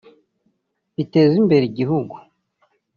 biteze imbere igihugu